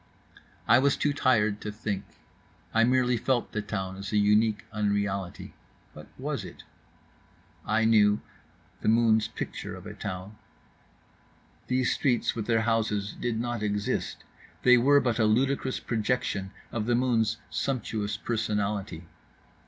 I was too tired to think. I merely felt the town as a unique unreality. What was it? I knew—the moon's picture of a town. These streets with their houses did not exist, they were but a ludicrous projection of the moon's sumptuous personality.